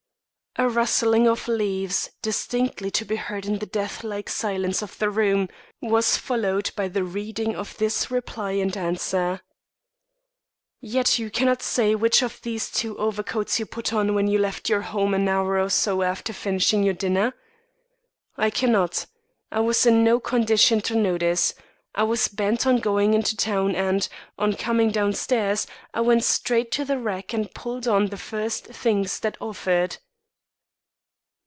A rustling of leaves, distinctly to be heard in the deathlike silence of the room, was followed by the reading of this reply and answer: "_Yet you cannot say which of these two overcoats you put on when you left your home an hour or so after finishing your dinner?_" "_I cannot. I was in no condition to notice. I was bent on going into town and, on coming downstairs, I went straight to the rack and pulled on the first things that offered.